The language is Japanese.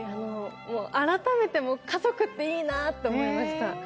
改めて、家族っていいなと思いました。